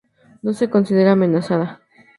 No se considera amenazada.